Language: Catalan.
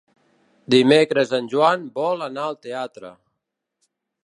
Dimecres en Joan vol anar al teatre.